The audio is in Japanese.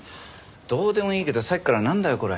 どうでもいいけどさっきからなんだよ？